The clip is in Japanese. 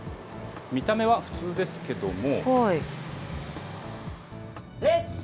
見た目は普通ですけども。